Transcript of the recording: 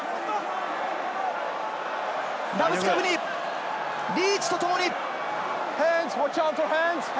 ラブスカフニ、リーチと共に！